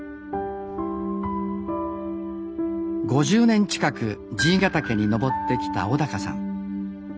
５０年近く爺ヶ岳に登ってきた小さん。